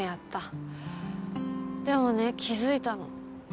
でもね気づいたの。